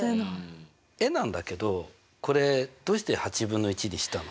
「エ」なんだけどこれどうしてにしたの？